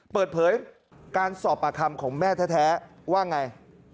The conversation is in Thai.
เปิดเผยการสอบอาความของแม่แท้ว่าอย่างไร